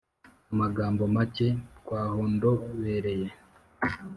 Amagambo make twahondobereye,